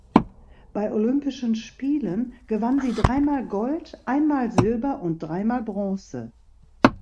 Bei Olympischen Spielen gewann sie dreimal Gold, einmal Silber und dreimal Bronze.